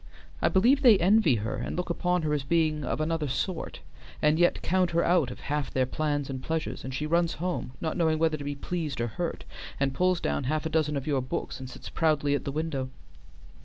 I believe they envy her and look upon her as being of another sort, and yet count her out of half their plans and pleasures, and she runs home, not knowing whether to be pleased or hurt, and pulls down half a dozen of your books and sits proudly at the window.